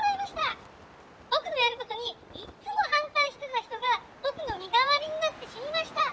『僕のやることにいっつも反対してた人が僕の身代わりになって死にました。